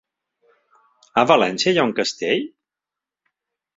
A València hi ha un castell?